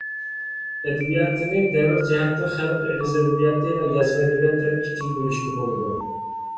ئەدەبىياتىنى دەۋر جەھەتتىن خەلق ئېغىز ئەدەبىياتى ۋە يازما ئەدەبىيات دەپ ئىككىگە بۆلۈشكە بولىدۇ.